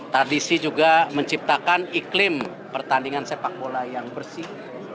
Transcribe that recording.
tradisi juga menciptakan iklim pertandingan sepak bola yang bersih